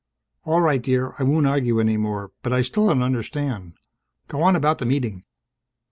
"All right, dear. I won't argue any more. But I still don't understand. Go on about the Meeting."